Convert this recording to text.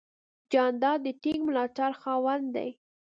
جانداد د ټینګ ملاتړ خاوند دی.